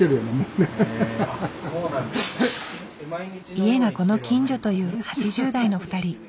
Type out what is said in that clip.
家がこの近所という８０代の２人。